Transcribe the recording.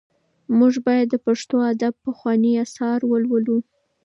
موږ باید د پښتو ادب پخواني اثار ولولو.